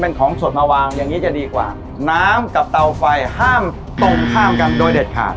เป็นของสดมาวางอย่างงี้จะดีกว่าน้ำกับเตาไฟห้ามตรงข้ามกันโดยเด็ดขาด